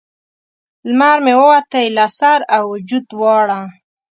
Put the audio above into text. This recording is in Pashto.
لمر مې ووتی له سر او وجود دواړه